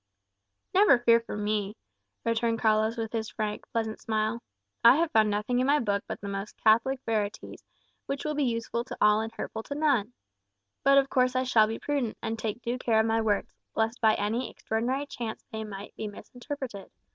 "Never fear for me," returned Carlos, with his frank, pleasant smile. "I have found nothing in my Book but the most Catholic verities, which will be useful to all and hurtful to none. But of course I shall be prudent, and take due care of my words, lest by any extraordinary chance they might be misinterpreted.